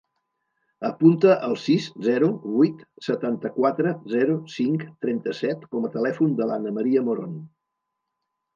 Apunta el sis, zero, vuit, setanta-quatre, zero, cinc, trenta-set com a telèfon de l'Ana maria Moron.